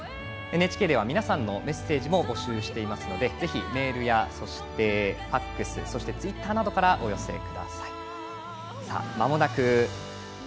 ＮＨＫでは皆さんのメッセージも募集していますのでぜひメールやＦＡＸツイッターなどからお寄せください。